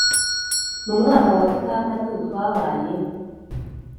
Mu mwaka wa gatandatu twabaye